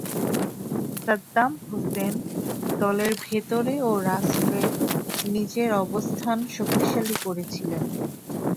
Saddam Hussein দলের ভেতরে ও রাষ্ট্রে নিজের অবস্থান শক্তিশালী করেছিলেন।